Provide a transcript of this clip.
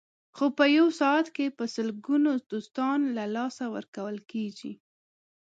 خو په یو ساعت کې په لسګونو دوستان له لاسه ورکول کېږي.